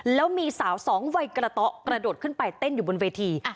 แล้วมีสาวสองวัยกระเตาะกระโดดขึ้นไปเต้นอยู่บนเวที